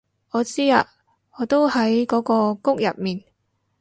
我知啊我都喺嗰個谷入面